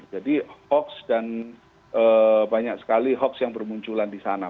jadi hoax dan banyak sekali hoax yang bermunculan di sana